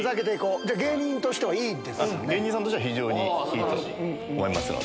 じゃあ、芸人さんとしては非常にいいと思いますので。